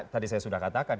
tadi saya sudah katakan